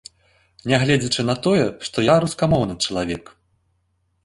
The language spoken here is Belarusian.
Нягледзячы на тое, што я рускамоўны чалавек.